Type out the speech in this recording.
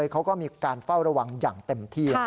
เขาก็มีการเฝ้าระวังอย่างเต็มที่